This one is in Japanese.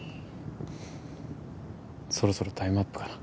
そろそろタイムアップかな。